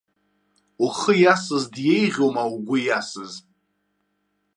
Ухы иасыз диеиӷьуама угәы иасыз?!